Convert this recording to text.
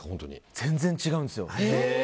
全然違うんですよ。